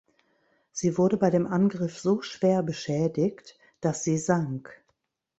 Sie wurde bei dem Angriff so schwer beschädigt, dass sie sank.